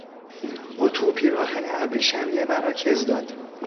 اطو پیراهن ابریشمی مرا کز داد.